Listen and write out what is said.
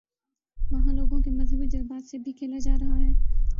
وہاں لوگوں کے مذہبی جذبات سے بھی کھیلاجا رہا ہے۔